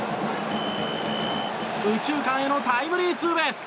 右中間へのタイムリーツーベース。